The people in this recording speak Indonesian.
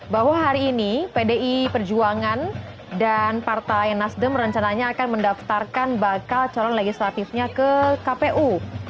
bahwa hari ini pdi perjuangan dan partai nasdem rencananya akan mendaftarkan bakal calon legislatifnya ke kpu